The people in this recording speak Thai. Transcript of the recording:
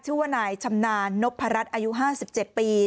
ชื่อว่านายชำนาญนพรัชอายุ๕๗ปี